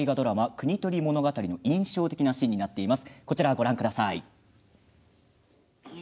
「国盗り物語」の印象的なシーンになっています。